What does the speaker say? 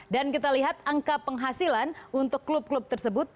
dan kita lihat angka penghasilan untuk klub klub tersebut